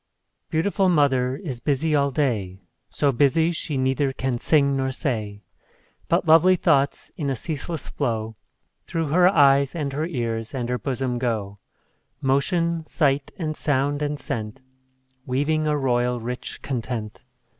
_ Beautiful mother is busy all day, So busy she neither can sing nor say; But lovely thoughts, in a ceaseless flow, Through her eyes, and her ears, and her bosom go Motion, sight, and sound, and scent, Weaving a royal, rich content.